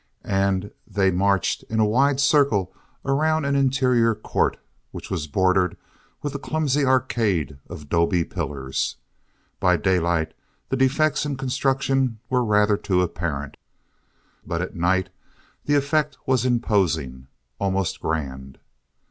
And they marched in a wide circle around an interior court which was bordered with a clumsy arcade of 'dobe pillars. By daylight the defects in construction were rather too apparent. But at night the effect was imposing, almost grand.